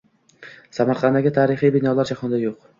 Samarqanddagi tarixiy binolar jahonda yo‘q.